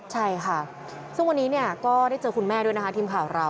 ใช่ค่ะซึ่งวันนี้ก็ได้เจอคุณแม่ด้วยนะคะทีมข่าวเรา